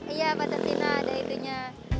iya patasina ada itunya